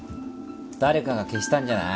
誰かが消したんじゃない？